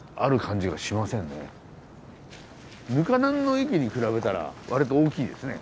糠南の駅に比べたらわりと大きいですね。